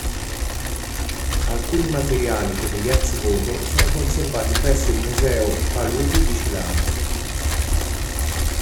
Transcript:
Alcuni materiali come gli ex voto sono conservati presso il museo Paludi di Celano.